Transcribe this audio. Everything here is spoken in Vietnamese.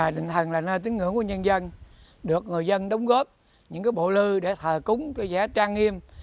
đình thần là nơi tính ngưỡng của nhân dân được người dân đóng góp những bộ lưu để thờ cúng giá trang nghiêm